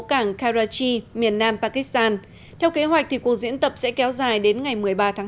cảng karachi miền nam pakistan theo kế hoạch thì cuộc diễn tập sẽ kéo dài đến ngày một mươi ba tháng bốn